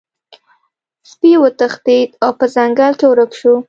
سپی وتښتید او په ځنګل کې ورک شو.